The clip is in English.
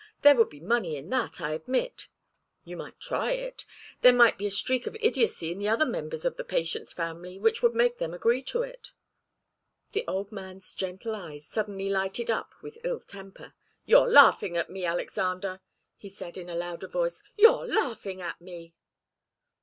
There would be money in that, I admit. You might try it. There might be a streak of idiocy in the other members of the patient's family which would make them agree to it." The old man's gentle eyes suddenly lighted up with ill temper. "You're laughing at me, Alexander," he said, in a louder voice. "You're laughing at me!"